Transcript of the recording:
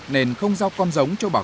nên không giao con giống cho bà con